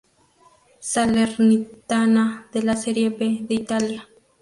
Salernitana de la Serie B de Italia.